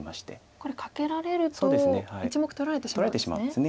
これカケられると１目取られてしまうんですね。